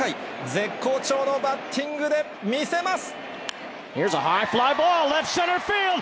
絶好調のバッティングで見せます。